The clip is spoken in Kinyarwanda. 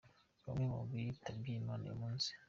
Bamwe mu bitabye Imana uyu munsi:.